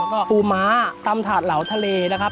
ก็ปูม้าตำถาดเหลาทะเลนะครับ